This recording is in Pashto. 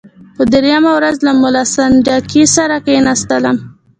په دریمه ورځ له ملا سنډکي سره کښېنستلم.